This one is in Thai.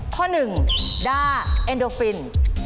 ข้อหนึ่งด้าเอ็นโดฟิน